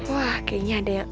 wah kayaknya ada yang